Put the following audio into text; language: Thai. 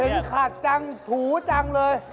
เห็นขัดจังถูจังเลย